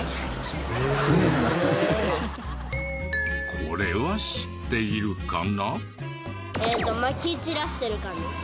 これは知っているかな？